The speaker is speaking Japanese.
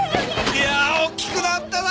いやあ大きくなったな！